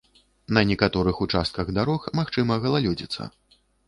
На некаторых участках дарог магчыма галалёдзіца.